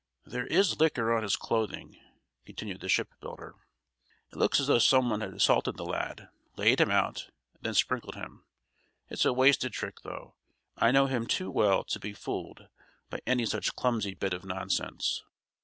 "There is liquor on his clothing," continued the shipbuilder. "It looks as though someone had assaulted the lad, laid him out, and then sprinkled him. It's a wasted trick, though. I know him too well to be fooled by any such clumsy bit of nonsense."